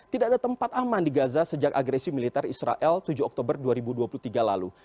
tidak ada tempat aman di gaza sejak agresi militer israel tujuh oktober dua ribu dua puluh tiga lalu